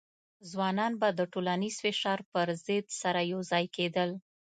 ځوانان به د ټولنیز فشار پر ضد سره یوځای کېدل.